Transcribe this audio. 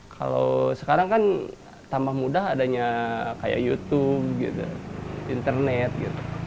kalau sekarang kan tambah mudah adanya kayak youtube gitu internet gitu